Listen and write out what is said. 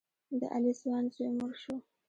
د علي ځوان زوی مړ شو.